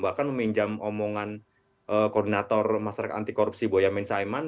bahkan meminjam omongan koordinator masyarakat anti korupsi boya menzaiman